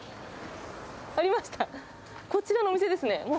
ありました、こちらのお店ですね。